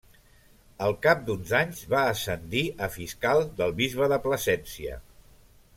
Al cap d'uns anys va ascendir a fiscal del bisbe de Plasència.